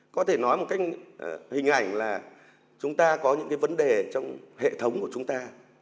có thể nói một cách hình ảnh là chúng ta có những cái vấn đề trong hệ thống của chúng ta